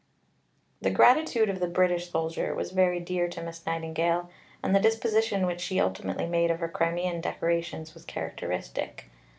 The gratitude of the British soldier was very dear to Miss Nightingale, and the disposition which she ultimately made of her Crimean decorations was characteristic.